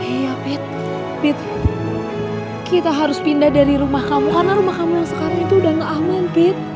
iya pet pet kita harus pindah dari rumah kamu karena rumah kamu yang sekarang itu udah gak aman pet